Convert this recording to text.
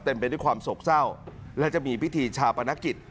ไปด้วยความโศกเศร้าและจะมีพิธีชาปนกิจ